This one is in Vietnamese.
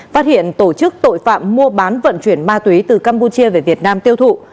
phát hiện tổ chức tội phạm mua bán vận chuyển ma túy từ campuchia về việt nam tiêu thụ